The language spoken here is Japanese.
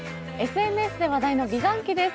ＳＮＳで話題の美顔器です。